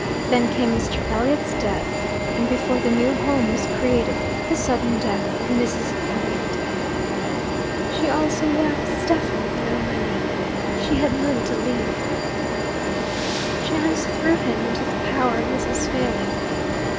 Then came Mr. Elliot's death, and, before the new home was created, the sudden death of Mrs. Elliot. She also left Stephen no money: she had none to leave. Chance threw him into the power of Mrs. Failing.